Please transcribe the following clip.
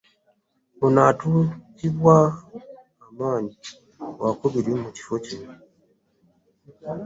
Ono atuukibwa mmanyi waakubiri mu kifo kino.